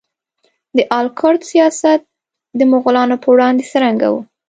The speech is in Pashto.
د آل کرت سیاست د مغولانو په وړاندې څرنګه و؟